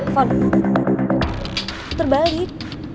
fon puter balik